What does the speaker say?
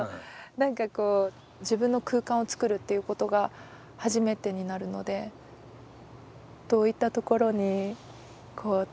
何か自分の空間をつくるっていうことが初めてになるのでどういったところに気をつけるというか。